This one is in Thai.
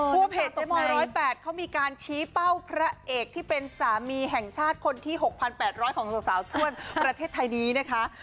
เพจเจ๊มอย๑๐๘เขามีการชี้เป้าพระเอกที่เป็นสามีแห่งชาติคนที่๖๘๐๐ของสาวทั่วประเทศไทยนี้นะคะ